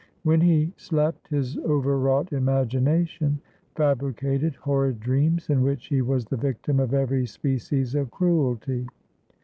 When he slept, his overwrought imagination fabricated horrid dreams in which he was the victim of every species of cruelty.